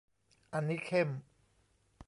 อันนี้เข้ม